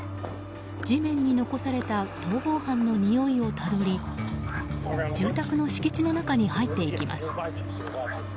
地面に残された逃亡犯のにおいをたどり住宅の敷地の中に入っていきます。